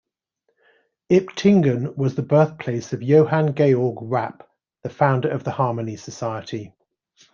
Iptingen was the birthplace of Johann Georg Rapp, the founder of the Harmony Society.